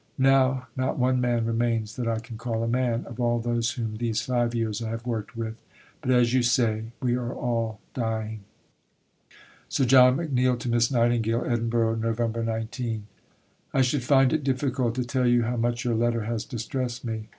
Now, not one man remains (that I can call a man) of all those whom these five years I have worked with. But, as you say, "we are all dying." (Sir John McNeill to Miss Nightingale.) EDINBURGH, November 19. I should find it difficult to tell you how much your letter has distressed me.